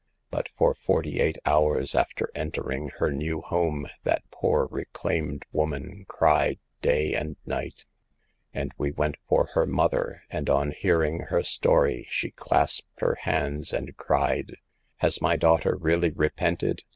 But for forty eight hours after entering her new home that poor reclaimed woman cried, day and night ; and we went for her mother, and on hearing her story she clasped her hands and cried :" f Has my daughter really repented